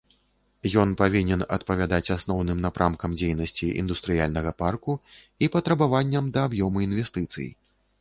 Ён павінен адпавядаць асноўным напрамкам дзейнасці індустрыяльнага парку і патрабаванням да аб'ёму інвестыцый.